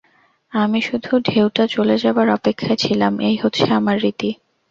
আমি শুধু ঢেউটা চলে যাবার অপেক্ষায় ছিলাম, এই হচ্ছে আমার রীতি।